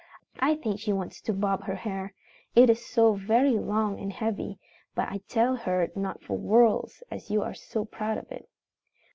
I think she wants to bob her hair, it is so very long and heavy, but I tell her not for worlds, as you are so proud of it.